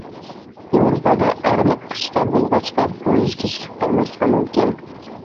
ياۋروپادا ئارىلىق قىسقا بولغاچقا پويىز كېچىكىپ قالماسلىقى مۇمكىن.